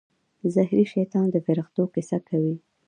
زهري شیطان د فرښتو کیسه کوي.